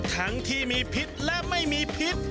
ทั้งที่มีพิษและไม่มีพิษ